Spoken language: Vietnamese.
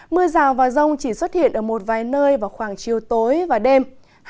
mưa rào và rông chỉ xuất hiện ở một vài nơi vào khoảng chiều tối và đêm